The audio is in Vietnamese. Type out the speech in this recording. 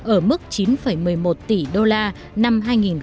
ở mức chín một mươi một tỷ usd năm hai nghìn một mươi bảy